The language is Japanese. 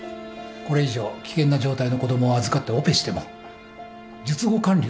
これ以上危険な状態の子供を預かってオペしても術後管理ができない。